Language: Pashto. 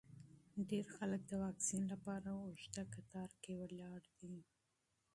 ډېر خلک د واکسین لپاره اوږده کتار کې ولاړ دي.